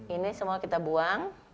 ini semua kita buang